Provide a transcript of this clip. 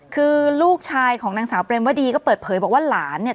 คือลูกชายของนางสาวเปรมวดีก็เปิดเผยบอกว่าหลานเนี่ย